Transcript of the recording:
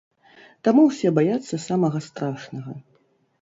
Таму ўсе баяцца самага страшнага.